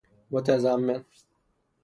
متضمن